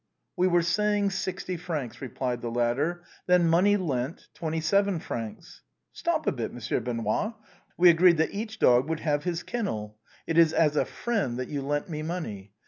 " We were saying sixty francs," replied the latter. " Then money lent, twenty seven francs." " Stop a bit. Monsieur Benoît. We agreed that each dog should have his kennel. It is as a friend that you lent me money.